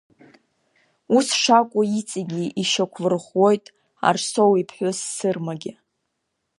Ус шакәу иҵегьы ишьақәлырӷәӷәоит Арсоу иԥҳәыс Сырмагьы.